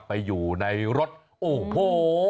ไปอยู่ในรถโอ้โห